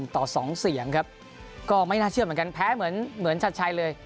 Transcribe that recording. ต่อ๒เสียงครับก็ไม่น่าเชื่อเหมือนกันแพ้เหมือนชัดชัยเลย